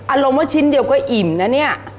อารมณ์ว่าชิ้นเดียวก็อิ่มนะเนี่ย